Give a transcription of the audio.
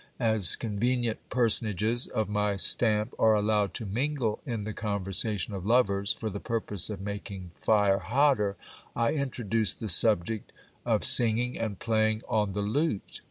As convenient personages of my stamp are allowed to mingle in the conversation of lovers, for the purpose of making fire hotter, I introduced the subject of singing and playing on the lute.